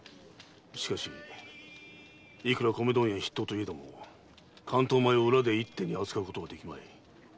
しかしいくら米問屋筆頭といえども関東米を裏で一手に扱うことはできまい。